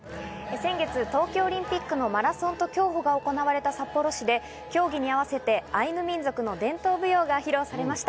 先月、東京オリンピックのマラソンと競歩が行われた札幌市で、競技に合わせてアイヌ民族の伝統舞踊が披露されました。